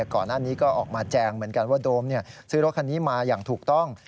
ก่อนหน้านี้ก็ออกมาแจงเหมือนกันว่าโดมซื้อรถคันนี้มาอย่างถูกต้อง